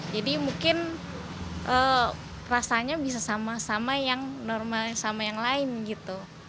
mungkin rasanya bisa sama sama yang normal sama yang lain gitu